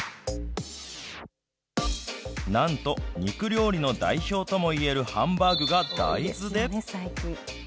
なんと肉料理の代表ともいえるハンバーグが大豆で。